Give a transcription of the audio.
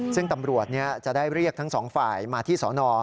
ซึ่งตำรวจจะได้เรียกทั้งสองฝ่ายมาที่สน